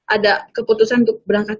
ada keputusan untuk berangkat